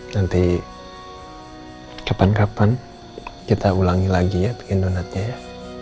jadi kapan kapan kita ulangi lagi ya bikin donatnya ya